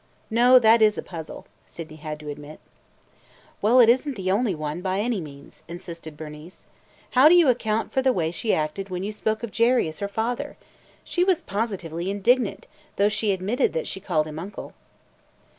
No, that is a puzzle!" Sydney had to admit. "Well, it is n't the only one by any means," insisted Bernice. "How do you account for the way she acted when you spoke of Jerry as her father? She was positively indignant, though she admitted that she called him uncle."